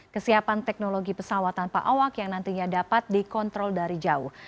kesiapan teknologi pesawat tanpa awak yang nantinya dapat dikontrol dari jauh